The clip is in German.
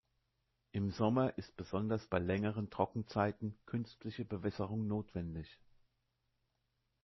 Im Sommer ist besonders bei längeren Trockenzeiten künstliche Bewässerung notwendig.